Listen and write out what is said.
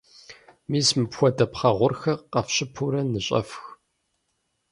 Мис мыпхуэдэ пхъэ гъурхэр къэфщыпурэ ныщӀэфх.